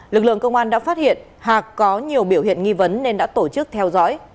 lực lượng công an đã phát hiện hạc có nhiều biểu hiện nghi vấn nên đã tổ chức theo dõi